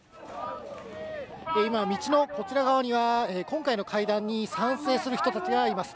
今、道のこちら側には今回の会談に賛成する人たちがいます。